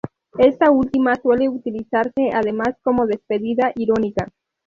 Esta última suele utilizarse además como despedida irónica.